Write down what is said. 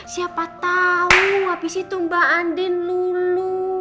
siapa tahu habis itu mbak andin lulu